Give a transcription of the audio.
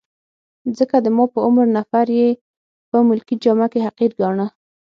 ځکه د ما په عمر نفر يې په ملکي جامه کي حقیر ګاڼه.